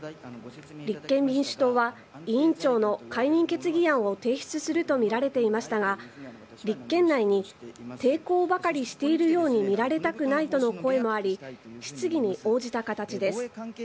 立憲民主党は、委員長の解任決議案を提出すると見られていましたが、立憲内に抵抗ばかりしているように見られたくないとの声もあり、質疑に応じた形です。